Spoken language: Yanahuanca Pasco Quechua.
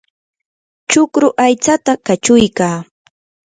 chukru aytsata kachuykaa.